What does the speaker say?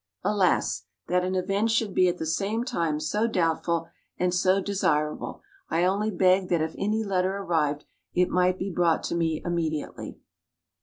Alas! that an event should be at the same time so doubtful and so desirable. I only begged that if any letter arrived, it might be brought to me immediately.